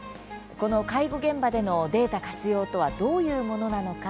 この介護現場でのデータ活用とはどういうものなのか。